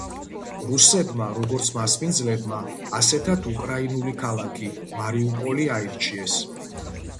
რუსებმა, როგორც მასპინძლებმა, ასეთად უკრაინული ქალაქი, მარიუპოლი, აირჩიეს.